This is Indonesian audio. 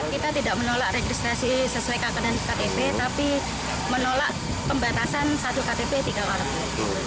kita tidak menolak registrasi sesuai kakenan ktp tapi menolak pembatasan satu ktp tiga orang